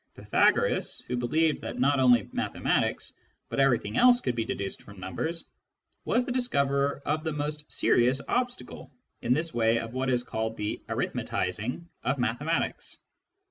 Pythagoras, who believed that not only mathematics, but everything else could be deduced from numbers, was the discoverer of the most serious obstacle in the way of what is called the " arithmetising " of mathematics.